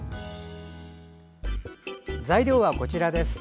材料はこちらです。